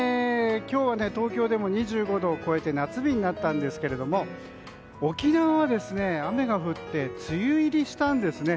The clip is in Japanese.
今日は東京でも２５度を超えて夏日になったんですけども沖縄は雨が降って梅雨入りしたんですね。